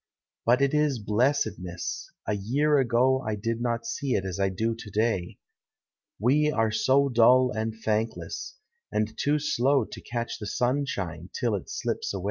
But it is blessedness! a year ago I did not sec it as I do to dav — We are so dull and thankless; and too slow To catch the sunshine till it slips away.